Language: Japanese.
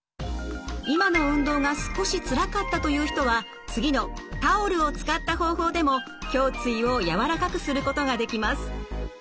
今の運動が少しつらかったという人は次のタオルを使った方法でも胸椎を柔らかくすることができます。